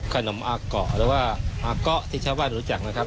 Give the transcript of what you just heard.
ขนมอาเกาะหรือว่าอาเกาะที่ชาวบ้านรู้จักนะครับ